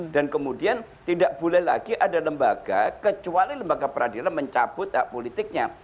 dan kemudian tidak boleh lagi ada lembaga kecuali lembaga peradilan mencabut hak politiknya